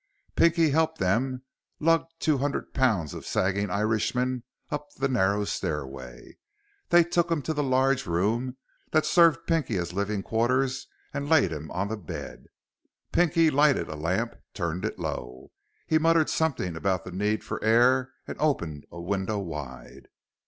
Pinky helped them lug two hundred pounds of sagging Irishman up the narrow stairway. They took him to the large room that served Pinky as living quarters and laid him on the bed. Pinky lighted a lamp, turned it low. He muttered something about the need for air and opened a window wide.